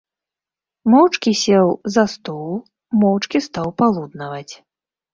Моўчкі сеў за стол, моўчкі стаў палуднаваць.